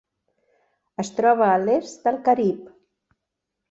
Es troba a l'est del Carib.